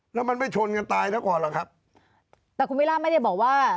แล้วมันไม่ชนกันตายซะก่อนหรอกครับแต่คุณวิล่าไม่ได้บอกว่า